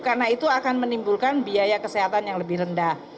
karena itu akan menimbulkan biaya kesehatan yang lebih rendah